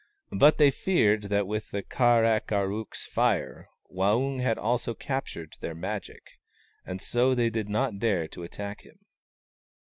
But they feared that with the Kar ak ar ook's Fire Waung had also captured their Magic, and so they did not dare to attack him.